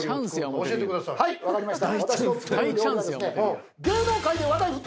はい分かりました。